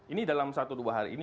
ini dalam satu dua hari ini